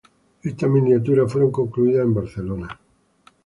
Estas miniaturas fueron concluidas en Barcelona.